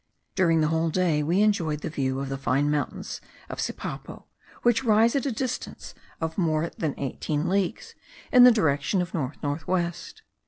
During the whole day we enjoyed the view of the fine mountains of Sipapo, which rise at a distance of more than eighteen leagues in the direction of north north west.